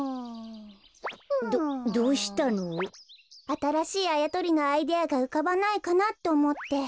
あたらしいあやとりのアイデアがうかばないかなっておもって。